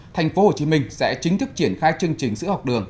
thành phố hồ chí minh sẽ chính thức triển khai chương trình sửa học đường